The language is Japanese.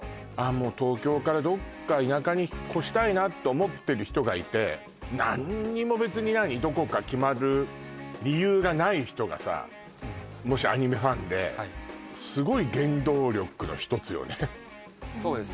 もう東京からどっか田舎に引っ越したいなと思ってる人がいて何にも別にないどこか決まる理由がない人がさもしアニメファンではいそうです